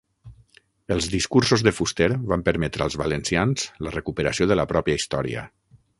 Els discursos de Fuster van permetre als valencians la recuperació de la pròpia història.